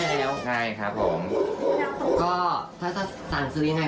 อ๋อเออแล้วมากวนเค้าทั้งวัน